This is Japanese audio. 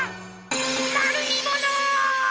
まるいもの！